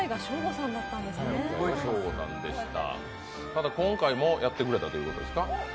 ただ、今回もやってくれたということですか？